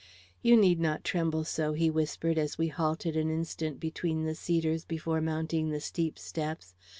"You need not tremble so," he whispered, as we halted an instant between the cedars before mounting the steep steps.